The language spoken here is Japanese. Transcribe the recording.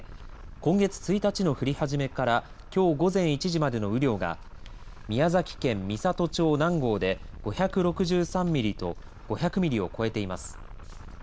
今月１日の降り始めからきょう午前１時までの雨量が宮崎県美郷町南郷で５６３ミリと５００ミリを超えています。